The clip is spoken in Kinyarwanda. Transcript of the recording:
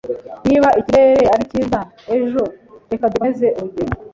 Niba ikirere ari cyiza ejo, reka dukomeze urugendo.